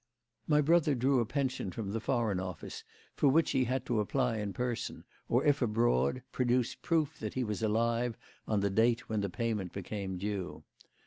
My brother drew a pension from the Foreign Office, for which he had to apply in person, or, if abroad, produce proof that he was alive on the date when the payment became due.